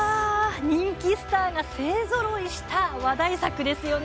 人気スターが勢ぞろいした話題作ですよね。